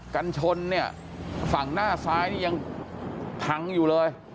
กันชนเนี่ยฝั่งหน้าซ้ายนี่ยังพังอยู่เลย